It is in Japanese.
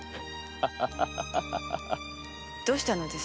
どうしたのです？